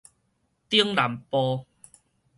頂南埔